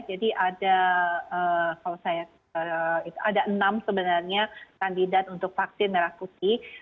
jadi ada enam sebenarnya kandidat untuk vaksin merah putih